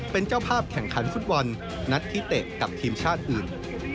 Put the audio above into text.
เป็นเจ้าภาพแข่งขันฟุตบอลนัดที่เตะกับทีมชาติอื่น